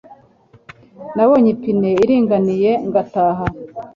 Nabonye ipine iringaniye ngataha